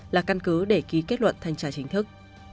là căn cứ để ký kết luận thanh tra chính thức